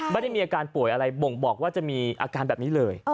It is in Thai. ไม่ได้มีอาการป่วยอะไรบ่งบอกว่าจะมีอาการแบบนี้เลย